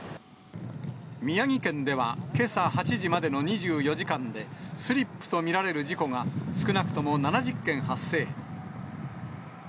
宮城県では、けさ８時までの２４時間で、スリップと見られる事故が少なくとも７０件発生。